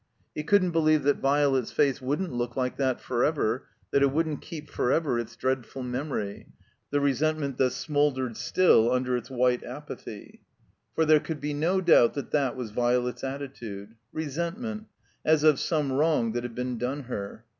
He couldn't believe that Violet's face wouldn't look like that forever, that it wouldn't keep forever its dreadful memory, the resentment that smoldered still under its white apathy. For there could be no doubt that that was Violet's attitude — resentment, as of some wrong that had been done her.